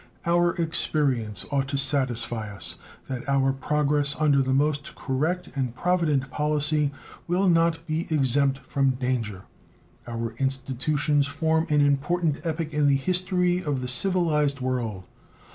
Our experience ought to satisfy us that our progress under the most correct and provident policy will not be exempt from danger. Our institutions form an important epoch in the history of the civilized world.